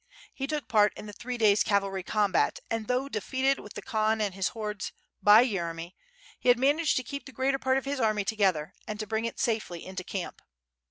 He took part in the three days cavalry combat, and though defeated with the Khan and his hordes, by Yeremy, he had managed to keep the greater part of his army together and to bring it safely into camp.